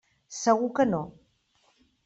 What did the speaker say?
Segur que no.